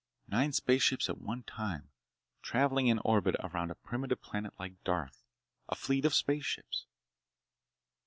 Nine spaceships at one time—traveling in orbit around a primitive planet like Darth—a fleet of spaceships.